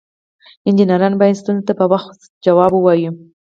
انجینران باید ستونزو ته په وخت ځواب ووایي.